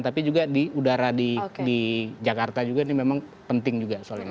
tapi juga di udara di jakarta juga ini memang penting juga soal ini